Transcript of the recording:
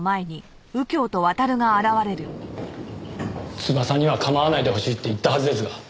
翼には構わないでほしいって言ったはずですが。